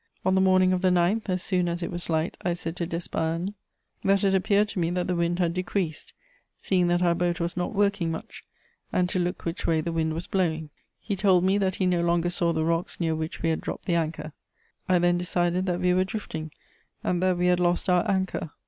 On the morning of the 9th, as soon as it was light, I said to Despagne that it appeared to me that the wind had decreased, seeing that our boat was not working much, and to look which way the wind was blowing. He told me that he no longer saw the rocks near which we had dropped the anchor. I then decided that we were drifting, and that we had lost our anchor.